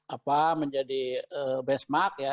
apa menjadi benchmark ya